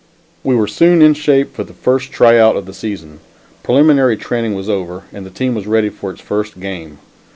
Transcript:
We were soon in shape for the first try out of the season; preliminary training was over, and the team was ready for its first game.